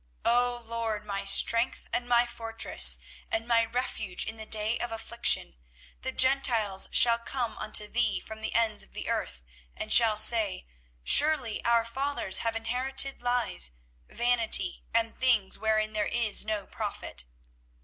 24:016:019 O LORD, my strength, and my fortress, and my refuge in the day of affliction, the Gentiles shall come unto thee from the ends of the earth, and shall say, Surely our fathers have inherited lies, vanity, and things wherein there is no profit.